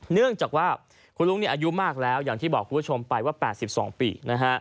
เนื่องจากว่าคุณลุงอายุมากแล้วอย่างที่บอกคุณผู้ชมไปว่า๘๒ปี